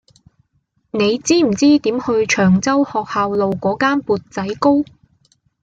你知唔知點去長洲學校路嗰間缽仔糕